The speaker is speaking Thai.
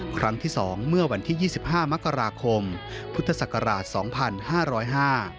ครั้งที่สองเมื่อวันที่๒๕มกราคมพุทธศักราช๒๕๐๕